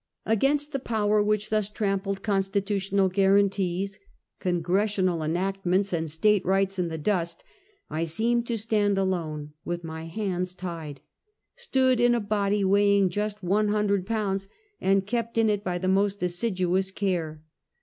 13 194 Half a Centukt. Against the power wliicli thus trampled constitu tional gnarantees, congressional enactments and State rights in the dust, I seemed to stand alone, with my hands tied — stood in a body weighing just one hun dred pounds, and kept in it by the most assiduous care.